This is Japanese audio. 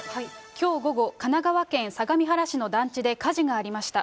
きょう午後、神奈川県相模原市の団地で火事がありました。